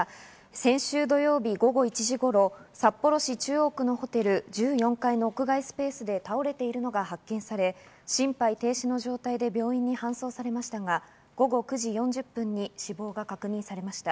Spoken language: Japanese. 先週土曜日午後１時頃、札幌市中央区のホテル１４階の屋外スペースで倒れているのが発見され、心肺停止の状態で病院に搬送されましたが午後９時４０分に死亡が確認されました。